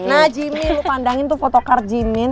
nah jimmy lo pandangin tuh fotokart jimin